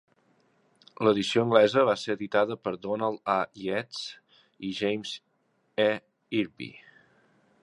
L'edició anglesa va ser editada per Donald A. Yates i James E. Irby.